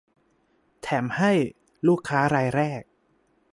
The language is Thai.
แถมให้ ลูกค้ารายแรก